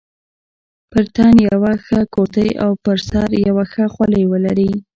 پر تن یوه ښه کورتۍ او پر سر یوه ښه خولۍ ولري.